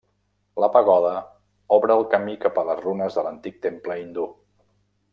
La pagoda obre el camí cap a les runes de l'antic temple hindú.